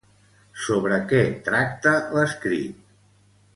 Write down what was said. Sobre què tracta l'escrit?